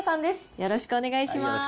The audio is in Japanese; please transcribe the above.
よろしくお願いします。